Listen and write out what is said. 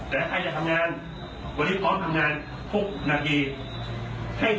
แต่ใครจะทำงานวันนี้พร้อมทำงานทุกนาที